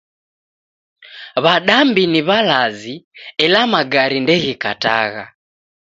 W'adambi ni w'alazi , ela magari ndeghikatagha